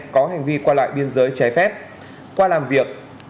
có hành vi qua lại biên giới trái phép qua làm việc